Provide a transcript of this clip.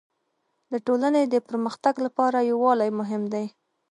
د ټولني د پرمختګ لپاره يووالی مهم دی.